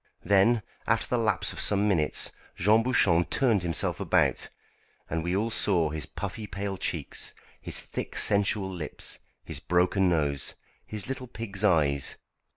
Then, after the lapse of some minutes, Jean Bouchon turned himself about, and we all saw his puffy pale cheeks, his thick sensual lips, his broken nose, his little pig's eyes.